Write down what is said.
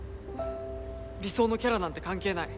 理想のキャラなんて関係ない。